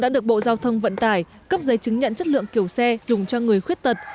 đã được bộ giao thông vận tải cấp giấy chứng nhận chất lượng kiểu xe dùng cho người khuyết tật